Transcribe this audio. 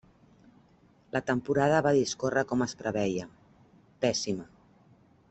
La temporada va discórrer com es preveia: pèssima.